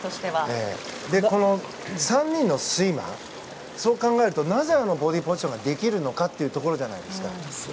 ３人のスイマーそう考えるとなぜあのボディーポジションができるのかってところじゃないですか。